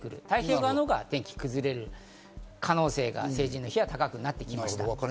太平洋側のほうが天気が崩れる可能性が成人の日は高くなってきました。